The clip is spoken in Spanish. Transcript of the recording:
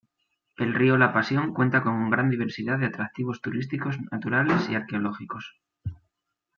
El río La Pasión cuenta con gran diversidad de atractivos turísticos naturales y arqueológicos.